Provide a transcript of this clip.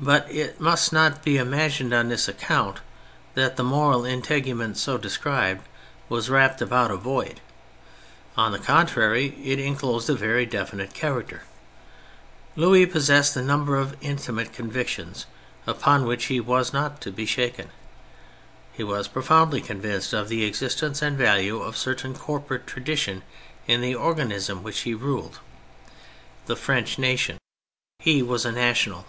But it must not be imagined on this account that the moral integument so described was wrapped about a void. On the contrary^ it enclosed a very definite character. Louis possessed a number of intimate convictions upon which he was not to be shaken. He was profoundly convinced of the existence and value of a certain corporate tradition in the organism which he ruled : the French nation. He was national.